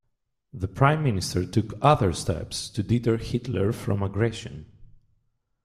The Prime Minister took other steps to deter Hitler from aggression.